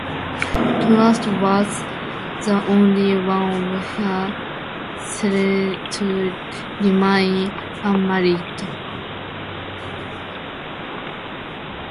Toft was the only one of her siblings to remain unmarried.